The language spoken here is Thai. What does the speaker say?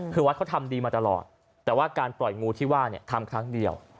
คือวัดเขาทำดีมาตลอดแต่ว่าการปล่อยงูที่ว่าเนี่ยทำครั้งเดียว